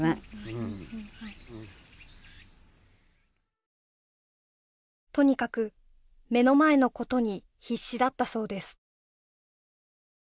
うんとにかく目の前のことに必死だったそうです